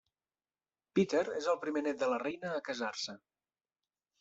Peter és el primer nét de la Reina a casar-se.